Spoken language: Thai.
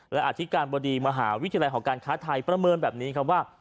และอธิการบดีมหาวิทยาลัยหอการค้าไทยประเมินแบบนี้ครับว่า